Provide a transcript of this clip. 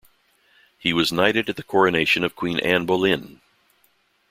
He was knighted at the coronation of Queen Anne Boleyn.